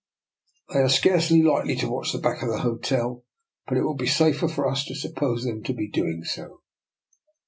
"They are scarcely likely to watch the back of the hotel, but it will be safer for us to suppose them to be doing so."